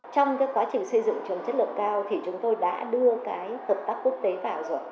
trong quá trình xây dựng trường chất lượng cao thì chúng tôi đã đưa cái hợp tác quốc tế vào rồi